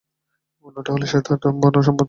অন্যটি হলো শ্বেতাম্বর সম্প্রদায়।